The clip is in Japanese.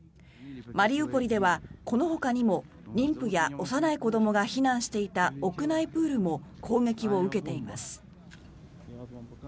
マリウポリではこのほかにも妊婦や幼い子どもが避難していた屋内プールも攻撃を受けています。